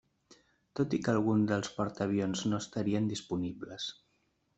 Tot i que alguns dels portaavions no estarien disponibles.